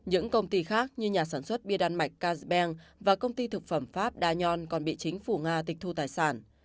những công ty khác như nhà sản xuất bia đan mạch casbeng và công ty thực phẩm pháp dayon còn bị chính phủ nga tịch thu tài sản